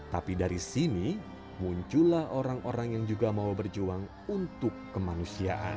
tapi dari sini muncullah orang orang yang juga mau berjuang untuk kemanusiaan